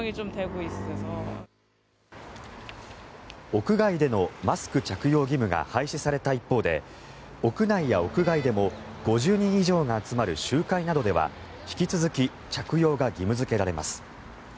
屋外でのマスク着用義務が廃止された一方で屋内や屋外でも５０人以上が集まる集会などでは引き続き着用が義務付けられます。